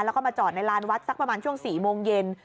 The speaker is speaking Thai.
แล้วก็มาจอดในลานวัดสักประมาณช่วง๔โมงเย็น